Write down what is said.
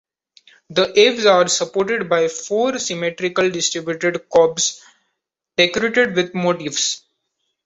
The eaves are supported by four symmetrically distributed corbels decorated with motifs.